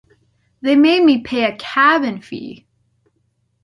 They made me pay a cabin fee!